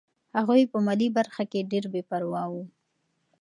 هغوی په مالي برخه کې ډېر بې پروا وو.